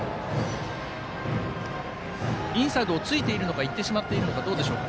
インサイドをついてしまっているのかいっているのかどうでしょうか。